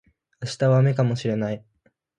明日は雨かもしれない